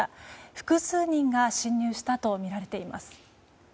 複数人が侵入したとみられています。